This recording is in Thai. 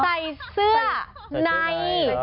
ใส่เสื้อใน